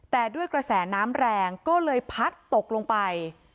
แต่ด้วยกระแสน้ำแรงก็เลยพัดตกลงไป